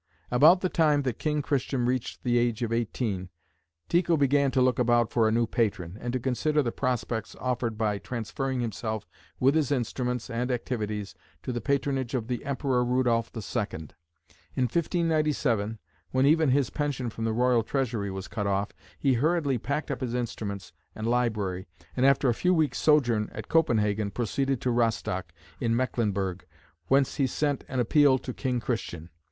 About the time that King Christian reached the age of eighteen, Tycho began to look about for a new patron, and to consider the prospects offered by transferring himself with his instruments and activities to the patronage of the Emperor Rudolph II. In 1597, when even his pension from the Royal treasury was cut off, he hurriedly packed up his instruments and library, and after a few weeks' sojourn at Copenhagen, proceeded to Rostock, in Mecklenburg, whence he sent an appeal to King Christian.